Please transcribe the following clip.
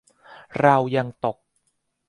เรายังตก